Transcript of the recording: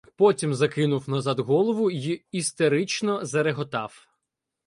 Потім закинув назад голову й істерично зареготав.